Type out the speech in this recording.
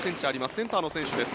センターの選手です。